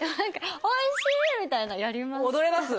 ・「おいしい！」みたいなやります。